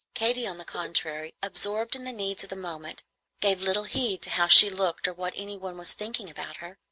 Katy, on the contrary, absorbed in the needs of the moment, gave little heed to how she looked or what any one was thinking about her.